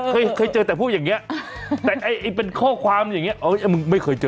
เคยเคยเจอแต่พูดอย่างนี้แต่ไอ้เป็นข้อความอย่างนี้มึงไม่เคยเจอ